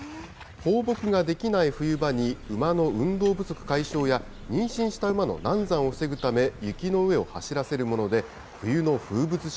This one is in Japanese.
放牧ができない冬場に馬の運動不足解消や、妊娠した馬の難産を防ぐため、雪の上を走らせるもので、冬の風物